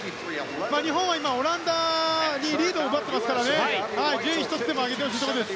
日本はオランダにリードを奪っていますから順位１つでも上げてほしいところです。